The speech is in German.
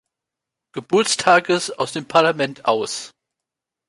Geburtstages aus dem Parlament aus.